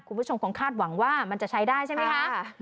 คุณผู้ชมคงคาดหวังว่ามันจะใช้ได้ใช่ไหมคะ